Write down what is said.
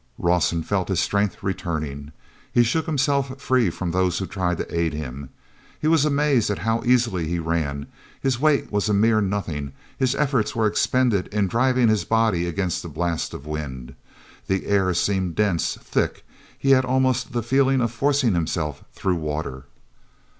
Rawson felt his strength returning. He shook himself free from those who tried to aid him. He was amazed at how easily he ran: his weight was a mere nothing; his efforts were expended in driving his body against the blast of wind. The air seemed dense, thick; he had almost the feeling of forcing himself through water.